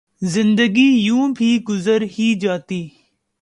زندگی یوں بھی گزر ہی جاتی